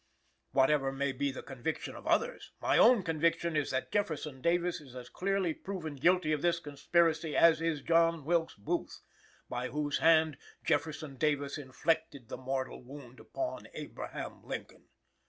"Whatever may be the conviction of others, my own conviction is that Jefferson Davis is as clearly proven guilty of this conspiracy as is John Wilkes Booth, by whose hand Jefferson Davis inflicted the mortal wound upon Abraham Lincoln."